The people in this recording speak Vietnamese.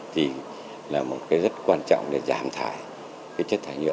thì là một cái rất quan trọng để giảm thải cái chất thải nhựa